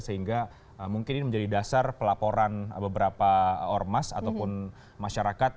sehingga mungkin ini menjadi dasar pelaporan beberapa ormas ataupun masyarakat